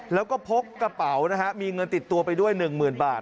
แล้วก็พกกระเป๋านะฮะมีเงินติดตัวไปด้วย๑๐๐๐บาท